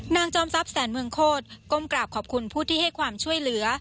จอมทรัพย์แสนเมืองโคตรก้มกราบขอบคุณผู้ที่ให้ความช่วยเหลือ